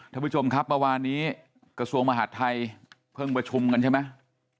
ท่านผู้ชมครับเมื่อวานนี้กระทรวงมหาดไทยเพิ่งประชุมกันใช่ไหม